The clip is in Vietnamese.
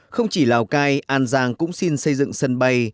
không chỉ lào cai an giang cũng xin xây dựng sân bay